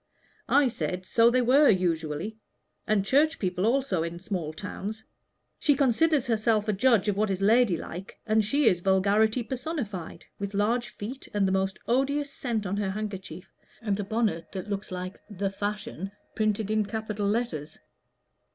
I said, so they were, usually, and Church people also in small towns. She considers herself a judge of what is ladylike, and she is vulgarity personified with large feet, and the most odious scent on her handkerchief, and a bonnet that looks like 'The Fashion' printed in capital letters."